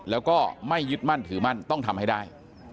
แล้วก็ไม่ยึดมั่นถือมั่นต้องทำให้ได้